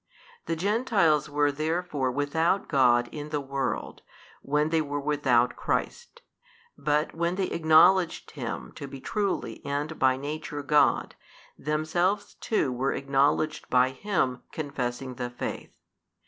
The Gentiles were therefore without God in the world, when they were without Christ; but when they acknowledged Him to be truly and by Nature God, themselves too were acknowledged by Him confessing the faith.